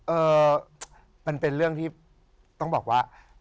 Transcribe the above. เอ่อมันเป็นเรื่องที่ต้องบอกว่า